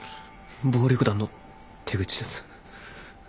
暴力団の手口です。